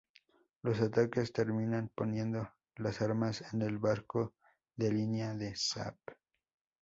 Los ataques terminan poniendo las armas en el barco de línea de Zapp.